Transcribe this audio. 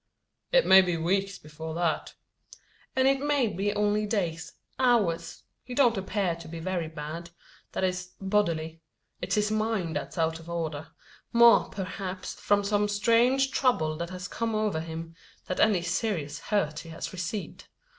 "It may be weeks before that." "And it may be only days hours. He don't appear to be very bad that is, bodily. It's his mind that's out of order more, perhaps, from some strange trouble that has come over him, than any serious hurt he has received.